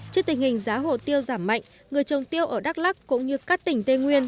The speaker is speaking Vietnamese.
trước tình hình giá hồ tiêu giảm mạnh người trồng tiêu ở đắk lắc cũng như các tỉnh tây nguyên